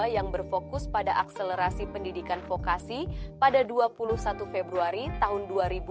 yang berfokus pada akselerasi pendidikan vokasi pada dua puluh satu februari tahun dua ribu dua puluh